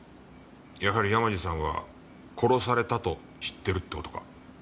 やはり山路さんは殺されたと知ってるって事か。